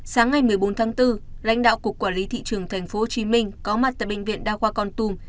sáng ngày một mươi bốn tháng bốn lãnh đạo cục quản lý thị trường tp hcm có mặt tại bệnh viện đa khoa con tum